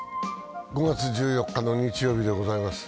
５月１４日の日曜日でございます。